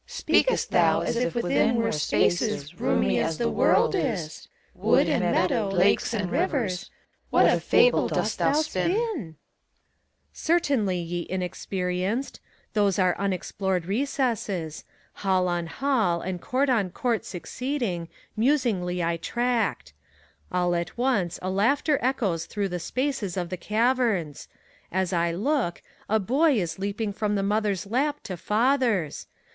CHORUS. Speakest thou as if within were spaces roomy as the world is: Wood and meadow, lakes and rivers, — what a fable dost thou spin I PHOBKTAS. Certainly, ye Inexperienced! Those are unexplored reeouies? Hall on hall, and court on court succeeding, musingly I tracked. All at once a laughter echoes through the spaces of the caverns; As I look, a Boy is leaping from the mother'a lap to father's.